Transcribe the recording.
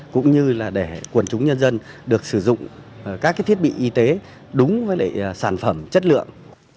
cũng như là để quần chúng nhân dân được sử dụng các thiết bị y tế đúng với sản phẩm chất lượng